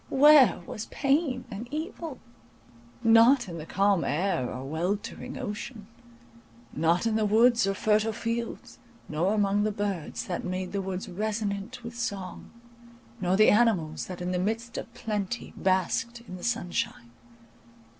Where was pain and evil? Not in the calm air or weltering ocean; not in the woods or fertile fields, nor among the birds that made the woods resonant with song, nor the animals that in the midst of plenty basked in the sunshine.